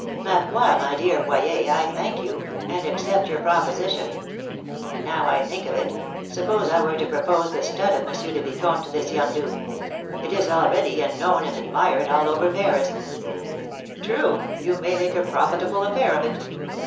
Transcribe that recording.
"Ma foi, my dear Boyer, I thank you, and accept your proposition. And, now I think of it, suppose I were to propose the stud of M. le Vicomte to this young duke! It is all ready, and known and admired all over Paris." "True, you may make a profitable affair of it."